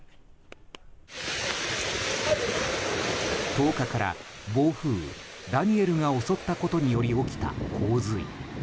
１０日から暴風雨、ダニエルが襲ったことにより起きた洪水。